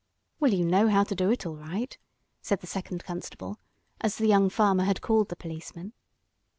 "Well, you know how to do it, all right," said the second "constable," as the young farmer had called the policemen.